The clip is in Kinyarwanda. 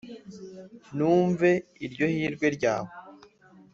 Numve iryo hirwe ryawe